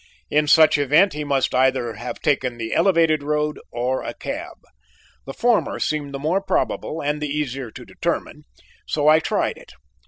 In such event he must either have taken the elevated road or a cab. The former seemed the more probable and the easier to determine, so I tried it.